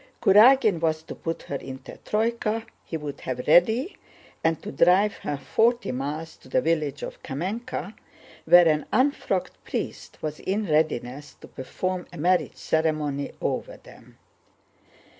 Kurágin was to put her into a troyka he would have ready and to drive her forty miles to the village of Kámenka, where an unfrocked priest was in readiness to perform a marriage ceremony over them.